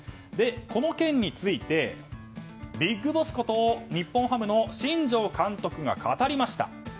この件についてＢＩＧＢＯＳＳこと日本ハムの新庄監督が語りました。